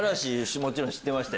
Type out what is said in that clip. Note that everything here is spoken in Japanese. もちろん知ってました。